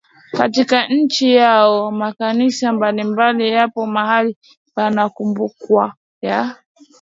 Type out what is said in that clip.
katika nchi yao Makanisa mbalimbali yapo mahali panapokumbukwa ya